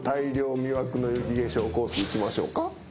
魅惑の雪化粧コースいきましょうか？